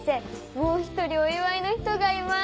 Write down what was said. もう一人お祝いの人がいます。